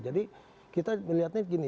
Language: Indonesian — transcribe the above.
jadi kita melihatnya begini